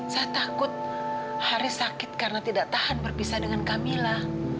saya takut haris sakit karena tidak tahan berpisah dengan kamila